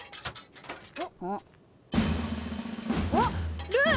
あっルー！